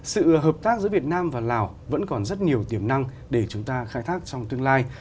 sự hợp tác giữa việt nam và lào vẫn còn rất nhiều tiềm năng để chúng ta khai thác trong tương lai